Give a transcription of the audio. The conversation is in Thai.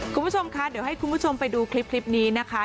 คุณผู้ชมคะเดี๋ยวให้คุณผู้ชมไปดูคลิปนี้นะคะ